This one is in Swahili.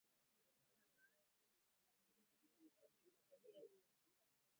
mashambulizi ya waasi hao nchini jamhuri ya kidemokrasia ya Kongo